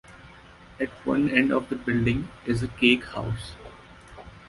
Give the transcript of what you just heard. At one end of the building is a cake-house.